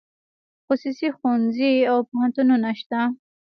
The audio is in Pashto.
خصوصي ښوونځي او پوهنتونونه شته